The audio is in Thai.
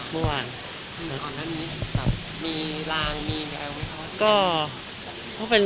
ก่อนนั้นมีรางไม่พอ